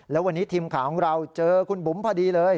แล้ววันนี้ทีมข่าวของเราเจอคุณบุ๋มพอดีเลย